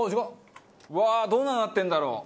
うわーどんなんになってるんだろう？